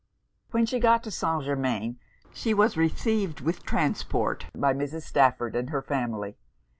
When she got to St. Germains, she was received with transport by Mrs. Stafford and her family.